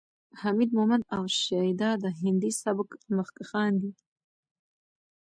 حمید مومند او شیدا د هندي سبک مخکښان دي.